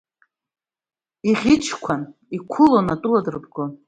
Иӷьычқәан, иқәылон, атәыла дырбгон.